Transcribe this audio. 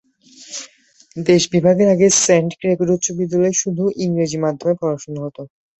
দেশ বিভাগের আগে সেন্ট গ্রেগরি উচ্চ বিদ্যালয়ে শুধু ইংরেজি মাধ্যমে পড়াশোনা হতো।